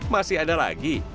masih ada lagi